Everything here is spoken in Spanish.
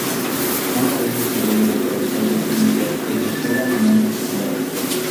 Una vez recibido de profesor en ciencias, ejerció la enseñanza secundaria.